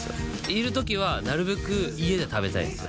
いれるときはなるべく家で食べたいんですよ